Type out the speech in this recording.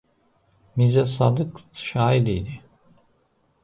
Mirzə Sadıq şair idi.